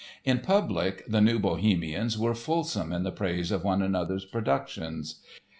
In public the New Bohemians were fulsome in the praise of one another's productions.